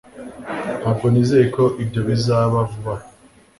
Ntabwo nizeye ko ibyo bizaba vuba aha